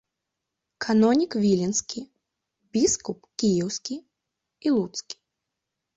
Канонік віленскі, біскуп кіеўскі і луцкі.